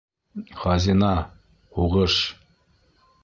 Хазина -һуғыш...